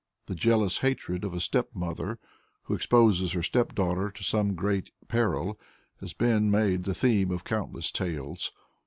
The jealous hatred of a stepmother, who exposes her stepdaughter to some great peril, has been made the theme of countless tales.